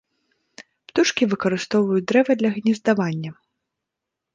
Птушкі выкарыстоўваюць дрэва для гнездавання.